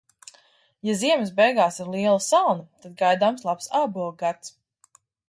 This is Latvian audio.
Ja ziemas beigās ir liela salna, tad gaidāms labs ābolu gads.